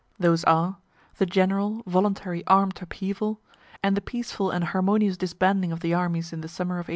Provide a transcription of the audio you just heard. Those are, the general, voluntary, arm'd upheaval, and the peaceful and harmonious disbanding of the armies in the summer of 1865.)